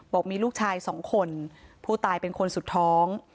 บอกมีลูกชายสองคนผู้ตายเป็นคนสุดท้อง